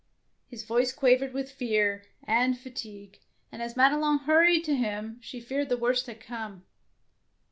His voice quavered with fear and 115 DEEDS OF DAEING fatigue, and as Madelon hurried to him she feared the worst had come.